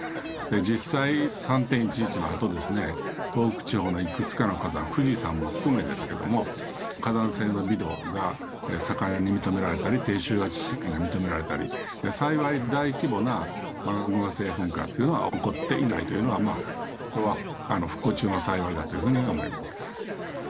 実際、３・１１のあとですね、東北地方のいくつかの火山、富士山も含めですけども、火山性の微動が盛んに認められたり、低周波地震が認められたり、幸い大規模なマグマ性噴火っていうのは起こっていないというのは、これは不幸中の幸いだというふうに思います。